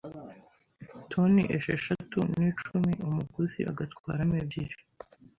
toni esheshatu n’icumi, umuguzi agatwaramo ebyiri,